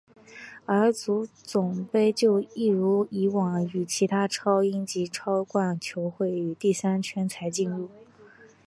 而足总杯就一如已往与其他英超及英冠球会于第三圈才加入。